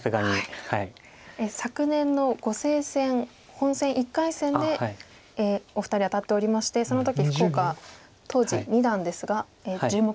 昨年の碁聖戦本戦１回戦でお二人当たっておりましてその時福岡当時二段ですが１０目半勝ちとなっております。